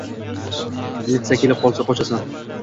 Militsiya kelib qolsa qochasan.